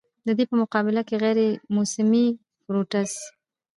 د دې پۀ مقابله کښې غېر موسمي فروټس